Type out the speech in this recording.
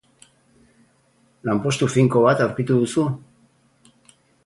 Lanpostu finko bat aurkitu duzu?